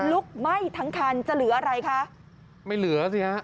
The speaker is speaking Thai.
ลุกไหม้ทั้งคันจะเหลืออะไรคะไม่เหลือสิฮะ